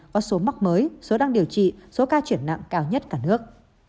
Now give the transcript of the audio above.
có số mắc mới số đang điều trị số ca chuyển nặng cao nhất cả nước